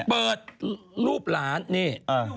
เปิดรูปหลานนี่